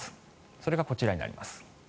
それがこちらになります。